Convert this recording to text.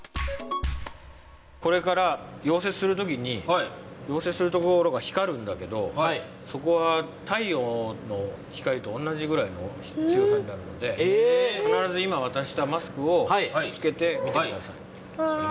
これから溶接する時に溶接する所が光るんだけどそこは太陽の光と同じぐらいの強さになるので必ず今わたしたマスクをつけて見て下さい。